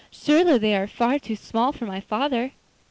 Surely they are far too small for my father?